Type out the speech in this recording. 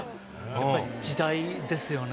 やっぱり、時代ですよね。